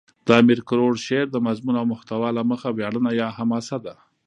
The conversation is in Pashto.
د امیر کروړ شعر دمضمون او محتوا له مخه ویاړنه یا حماسه ده.